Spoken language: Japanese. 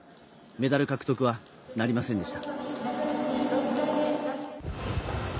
メダル獲得はなりませんでした。